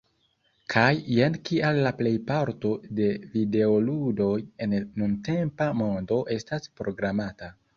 Kaj jen kial la plejparto de videoludoj en la nuntempa mondo estas programata